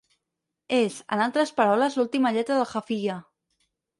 És, en altres paraules, l'última lletra del qaafiyaa.